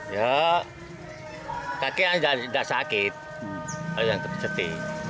ya kaki yang tidak sakit itu yang dipeceti